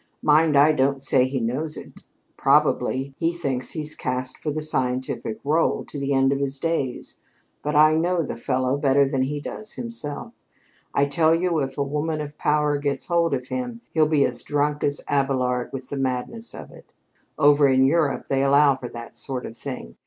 'Mind, I don't say he knows it. Probably he thinks he's cast for the scientific rôle to the end of his days, but I know the fellow better than he does himself. I tell you, if a woman of power gets hold of him, he'll be as drunk as Abélard with the madness of it. Over in Europe they allow for that sort of thing.